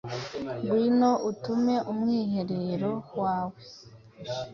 Ngwino, utume umwiherero wawe